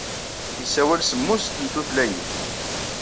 Yessawal semmuset n tutlayin.